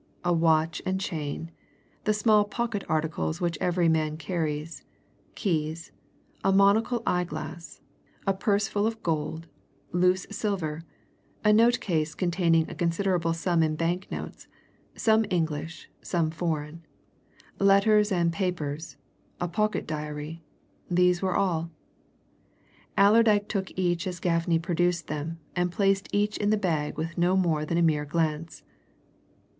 A watch and chain the small pocket articles which every man carries keys, a monocle eyeglass, a purse full of gold, loose silver, a note case containing a considerable sum in bank notes, some English, some foreign, letters and papers, a pocket diary these were all. Allerdyke took each as Gaffney produced them, and placed each in the bag with no more than a mere glance.